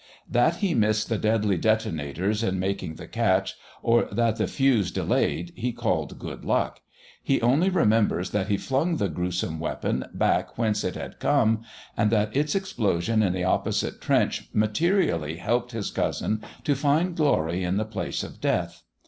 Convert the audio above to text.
That he missed the deadly detonators in making the catch, or that the fuse delayed, he called good luck. He only remembers that he flung the gruesome weapon back whence it had come, and that its explosion in the opposite trench materially helped his cousin to find glory in the place of death.